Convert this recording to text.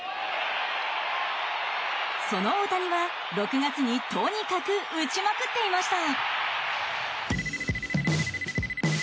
その大谷は６月にとにかく打ちまくっていました。